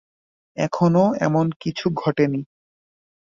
এখনো এমন কিছু ঘটেনি।